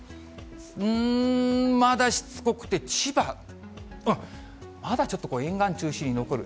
うーん、まだしつこくて千葉、まだちょっと沿岸中心に残る。